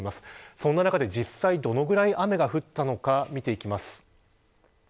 その中で実際どのくらい雨が降ったのか見ていきます。